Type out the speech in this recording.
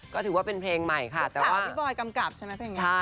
ก็ถือว่าเป็นเพลงใหม่ค่ะแต่ว่าพี่บอยกำกับใช่ไหมเพลงนี้